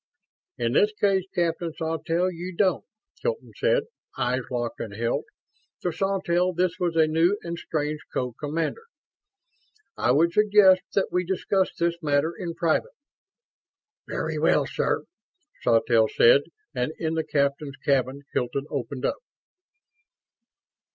"In this case, Captain Sawtelle, you don't," Hilton said. Eyes locked and held. To Sawtelle, this was a new and strange co commander. "I would suggest that we discuss this matter in private." "Very well, sir," Sawtelle said; and in the captain's cabin Hilton opened up.